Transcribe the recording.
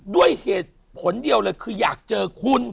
ด้วยเหตุผลเดียวเลยคืออยากเจอคุณ